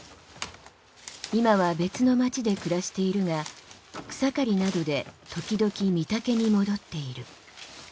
今は別の町で暮らしているが草刈りなどで時々金峰に戻っている。